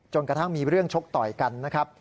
กระทั่งมีเรื่องชกต่อยกันนะครับ